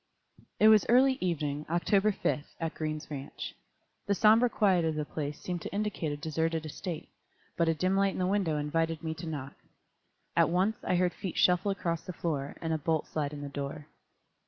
_ It was early evening, October 5, at Green's ranch. The somber quiet of the place seemed to indicate a deserted estate, but a dim light in the window invited me to knock. At once I heard feet shuffle across the floor, and a bolt slide in the door.